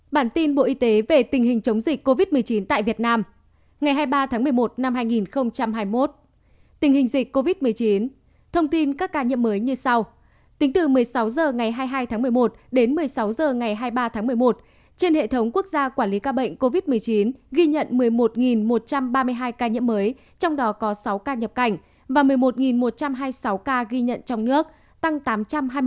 bản tin bộ y tế về tình hình chống dịch covid một mươi chín tại việt nam ngày hai mươi ba tháng một mươi một năm hai nghìn hai mươi một